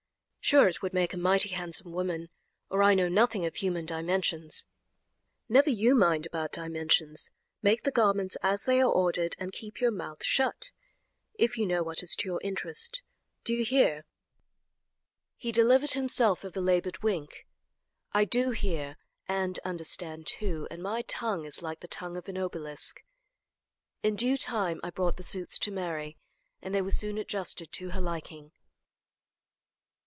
Sure it would make a mighty handsome woman, or I know nothing of human dimensions." "Never you mind about dimensions; make the garments as they are ordered and keep your mouth shut, if you know what is to your interest. Do you hear?" He delivered himself of a labored wink. "I do hear and understand, too, and my tongue is like the tongue of an obelisk." In due time I brought the suits to Mary, and they were soon adjusted to her liking.